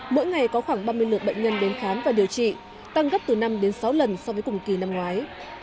mỗi ngày có khoảng ba mươi lượt bệnh nhân đến khám và điều trị tăng gấp từ năm đến sáu lần so với cùng kỳ năm ngoái